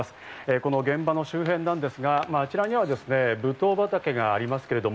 この現場の周辺なんですが、あちらにはぶどう畑がありますけれども。